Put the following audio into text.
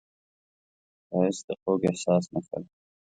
ښایست د خوږ احساس نښه ده